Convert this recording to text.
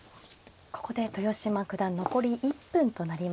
ここで豊島九段残り１分となりました。